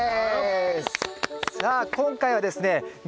さあ今回はですね